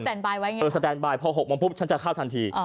สแตนไบล์ไว้ไงเออสแตนไบล์พอ๖โมงฉันจะเข้าทันที